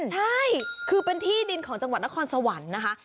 ใช่คือเป็นที่ดินของจังหวัดนครสวรรค์นะคะ